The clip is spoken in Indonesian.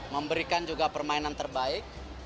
memberikan juga permainan terbaik